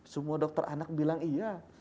semua dokter anak bilang iya